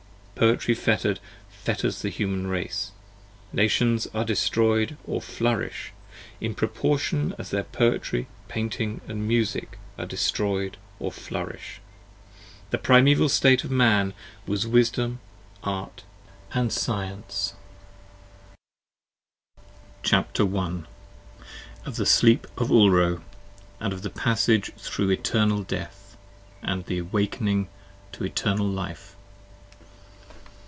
Poetry Fetter'd, Fetters the Human Race.VNations are Destroy'd, or Flourish, in proportion as Their Poetry, Painting and Music, are Destroy'd, or Flourish! The Primeval State of Man was Wisdom, Art, 44 and Science. xxi i Move? o JERUSALEM CHAPTER I OF THE SLEEP OF ULRo! AND OF THE PASSAGE THROUGH ETERNAL DEATH! AND OF THE AWAKING TO ETERNAL LIFE.